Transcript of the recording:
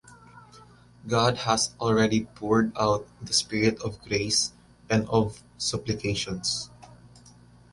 God had already poured out the Spirit of grace and of supplications.